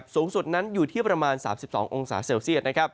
สูงสุดนั้นอยู่ที่ประมาณ๓๒องศาเซลเซียต